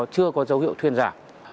chưa có dấu hiệu thuyên giả